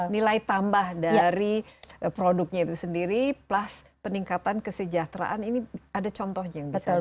nilai tambah dari produknya itu sendiri plus peningkatan kesejahteraan ini ada contohnya yang bisa dilakukan